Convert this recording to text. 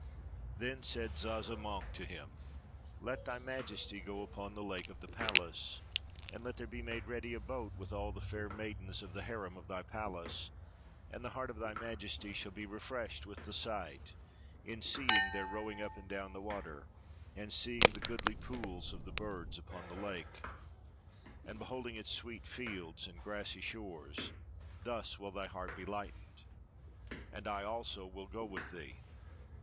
Then said Zazamankh to him, 'Let Thy Majesty go upon the lake of the palace, and let there be made ready a boat, with all the fair maidens of the harem of thy palace, and the heart of Thy Majesty shall be refreshed with the sight, in seeing their rowing up and down the water, and seeing the goodly pools of the birds upon the lake, and beholding its sweet fields and grassy shores; thus will thy heart be lightened. And I also will go with thee.